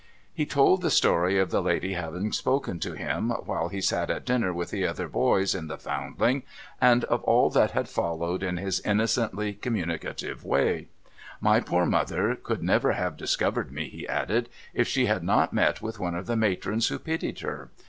He told the story of the lady having spoken to him, while he CONCERNING WALTER WILDING 487 sat at dinner with the other boys in the FoundUng, and of all that had followed in his innocently communicative way. ' My poor mother could never have discovered me,' he added, ' if she had not met with one of the matrons who pitied her.